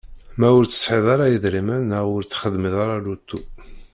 Ma ur tesɛiḍ ara idrimen neɣ ur texdimeḍ ara lutu.